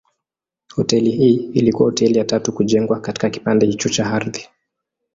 Hoteli hii ilikuwa hoteli ya tatu kujengwa katika kipande hicho cha ardhi.